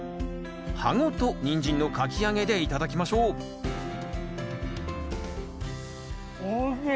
葉ごとニンジンのかき揚げで頂きましょうおいしい！